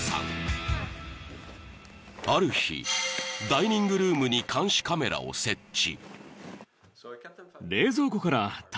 ［ある日ダイニングルームに監視カメラを設置］